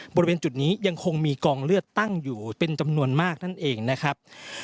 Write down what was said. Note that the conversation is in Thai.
บริเวณจุดนี้ยังคงมีกองเลือดตั้งอยู่เป็นจำนวนมากนั่นเองนะครับ